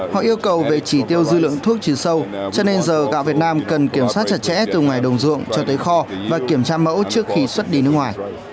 họ yêu cầu về chỉ tiêu dư lượng thuốc trừ sâu cho nên giờ gạo việt nam cần kiểm soát chặt chẽ từ ngoài đồng ruộng cho tới kho và kiểm tra mẫu trước khi xuất đi nước ngoài